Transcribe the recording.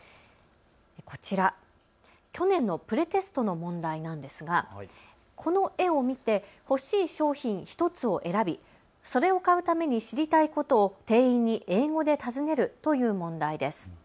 こちら、去年のプレテストの問題なんですが、この絵を見て欲しい商品１つを選び、それを買うために知りたいことを店員に英語で尋ねるという問題です。